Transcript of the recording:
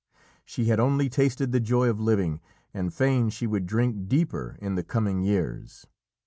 She had only tasted the joy of living, and fain she would drink deeper in the coming years.